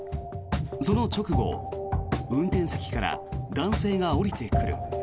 その直後、運転席から男性が降りてくる。